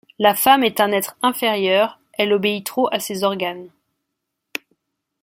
La femme est un être inférieur, elle obéit trop à ses organes.